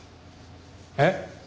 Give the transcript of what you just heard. えっ？